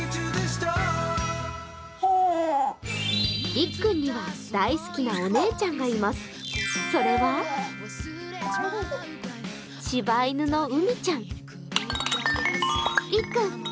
りっくんは、大好きなお姉ちゃんがいます、それは柴犬の海ちゃん。